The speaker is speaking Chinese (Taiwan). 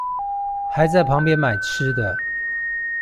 還在旁邊買吃的